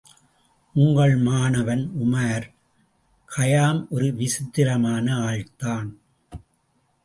உங்கள் மாணவன் Omar Khayyam ஒரு விசித்திரமான ஆள்தான்!